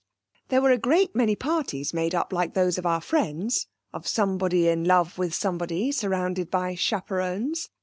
There were a great many parties made up like those of our friends of somebody in love with somebody, surrounded by chaperons.